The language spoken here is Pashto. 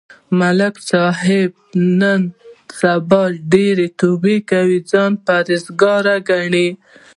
ملک صاحب نن سبا ډېرې توبې کوي، ځان پرهېز گار گڼي.